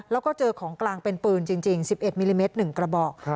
แล้วก็เจอของกลางเป็นปืนจริง๑๑มิลลิเมตร๑กระบอก